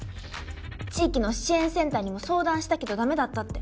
地域の支援センターにも相談したけどダメだったって。